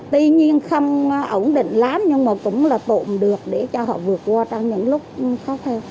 tuy nhiên không ổn định lắm nhưng mà cũng là tụm được để cho họ vượt qua trong những lúc khó khăn